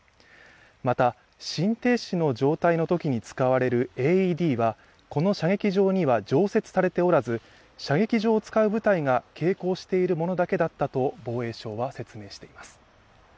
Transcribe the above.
また、心停止の状態の時に使われるＡＥＤはこの射撃場には常設されておらず射撃場を使う部隊が携行しているものだけだったと防衛省は説明しています。